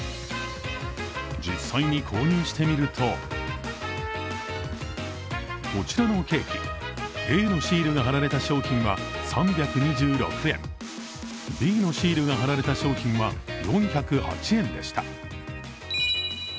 実際に購入してみると、こちらのケーキ、Ａのシールが貼られた商品は３２６円、Ｂのシールが貼られた商品は、４０８円でした。